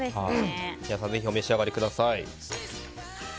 皆さんぜひお召し上がりください。